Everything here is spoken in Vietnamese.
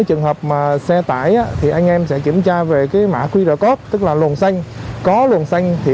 trường hợp mà xe tải thì anh em sẽ kiểm tra về cái mã qr code tức là luồng xanh có luồng xanh thì